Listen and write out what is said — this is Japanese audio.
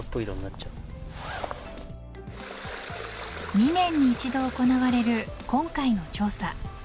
２年に一度行われる今回の調査。